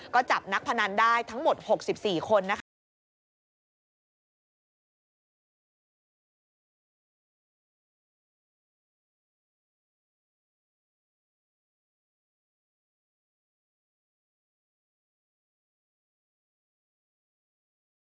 ก็จับนักพนันได้ทั้งหมด๖๔คนนะคะ